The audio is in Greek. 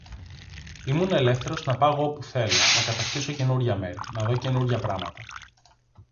Ήμουν ελεύθερος να πάγω όπου θέλω, να κατακτήσω καινούρια μέρη, να δω καινούρια πράματα